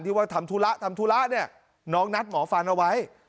ว่าทำธุระทำธุระเนี่ยน้องนัดหมอฟันเอาไว้